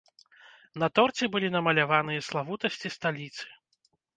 На торце былі намаляваныя славутасці сталіцы.